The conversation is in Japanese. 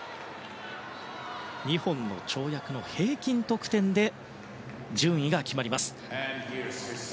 ２本の跳躍の平均得点で順位が決まります。